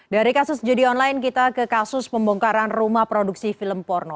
dari kasus judi online kita ke kasus pembongkaran rumah produksi film porno